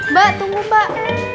mbak tunggu mbak